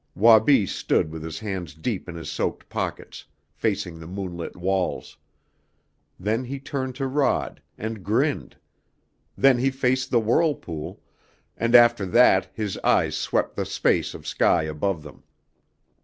Wabi stood with his hands deep in his soaked pockets, facing the moonlit walls. Then he turned to Rod, and grinned; then he faced the whirlpool, and after that his eyes swept the space of sky above them.